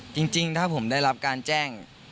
จริงถ้าผมได้รับการแจ้ง